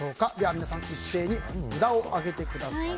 皆さん、一斉に札を上げてください。